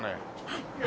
はい。